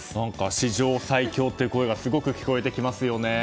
史上最強という声がすごく聞こえてきますね。